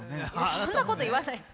そんなこと言わないの！